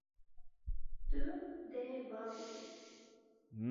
Tu dê ba bidî.